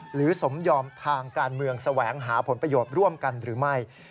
สมยอมทางการเมืองแสวงหาผลประโยชน์ร่วมกันหรือไม่